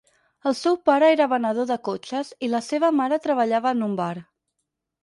El seu pare era venedor de cotxes i la seva mare treballava en un bar.